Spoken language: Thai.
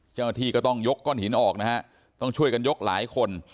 เจ้าหน้าที่ก็ต้องยกก้อนหินออกนะฮะต้องช่วยกันยกหลายคน